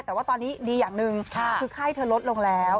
แต่ว่าตอนนี้ดีอย่างหนึ่งคือไข้เธอลดลงแล้ว